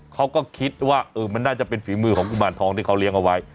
เขาก็คิดว่ามันน่าจะเป็นฝีมือของกุมารทองที่เขาเลี้ยงเอาไว้